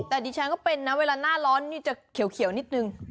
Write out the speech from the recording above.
แต่ดิฉันก็เป็นนะเวลาหน้าร้อนนี่จะเขียวนิดนึง